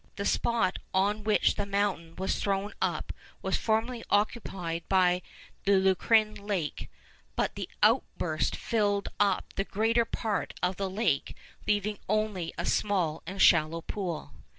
The spot on which the mountain was thrown up was formerly occupied by the Lucrine Lake; but the outburst filled up the greater part of the lake, leaving only a small and shallow pool.